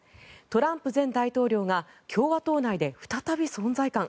トランプ前大統領が共和党内で再び存在感。